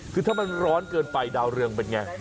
คือถ้ามันร้อนเกินไปดาวเรืองเป็นไง